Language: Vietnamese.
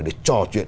để trò chuyện